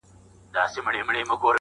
هغه عین ژوند عین